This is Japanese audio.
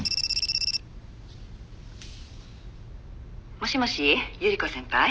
「もしもし百合子先輩？」